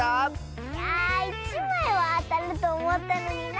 あ１まいはあたるとおもったのにな。